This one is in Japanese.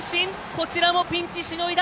こちらもピンチしのいだ！